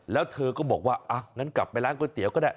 แล้วเธอก็บอกว่าอ่ะงั้นกลับไปร้านก๋วยเตี๋ยวก็ได้